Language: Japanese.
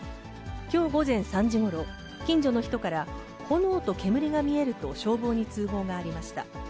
きょう午前３時ごろ、近所の人から、炎と煙が見えると消防に通報がありました。